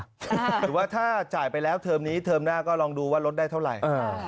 หรือว่าถ้าจ่ายไปแล้วเทอมนี้เทอมหน้าก็ลองดูว่าลดได้เท่าไหร่